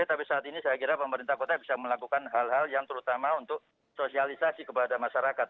tapi saat ini saya kira pemerintah kota bisa melakukan hal hal yang terutama untuk sosialisasi kepada masyarakat